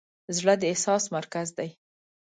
زړه د احساس مرکز دی.